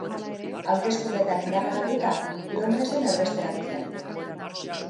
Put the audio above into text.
Hauteskundeetan indarra galduta Londresen erbesteratu zen.